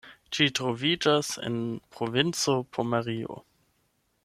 Ĝi troviĝas en provinco Pomerio.